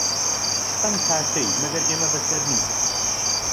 ستەم تا کەی، مەگەر ئێمە بەشەر نین